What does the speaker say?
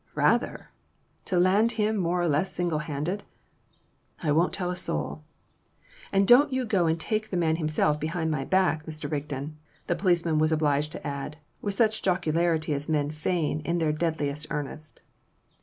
"Rather!" "To land him more or less single handed!" "I won't tell a soul." "And don't you go and take the man himself behind my back, Mr. Rigden!" the policeman was obliged to add, with such jocularity as men feign in their deadliest earnest.